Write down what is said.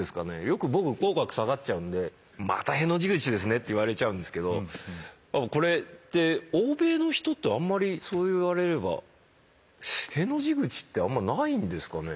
よく僕口角下がっちゃうんで「またへの字口ですね」って言われちゃうんですけどこれって欧米の人ってあんまりそう言われればへの字口ってあんまりないんですかね。